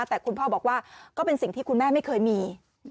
แต่คุณพ่อบอกว่าก็เป็นสิ่งที่คุณแม่ไม่เคยมี